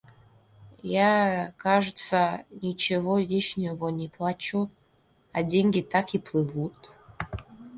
Я, кажется, ничего лишнего не плачу, а деньги так и плывут.